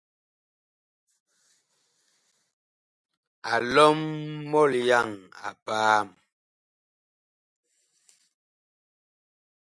A lɔm mɔlyaŋ a paam.